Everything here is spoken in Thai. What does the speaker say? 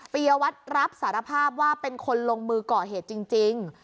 ปียวัตรรับสารภาพว่าเป็นคนลงมือก่อเหตุจริง